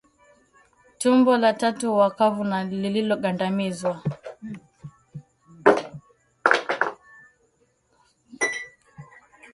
Tumbo la tatu huwa kavu na lililogandamizwa